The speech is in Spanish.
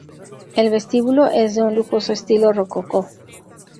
El vestíbulo es de un lujoso estilo rococó.